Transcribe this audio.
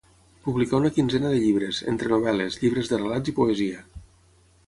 Publicà una quinzena de llibres, entre novel·les, llibres de relats i poesia.